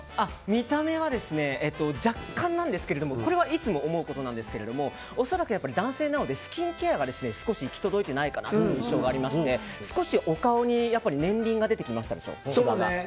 見た目は、若干なんですけどこれはいつも思うことなんですけど恐らく、男性なのでスキンケアが少し行き届いてないかなという印象がありまして少しお顔に年輪が出てきましたでしょう、しわが。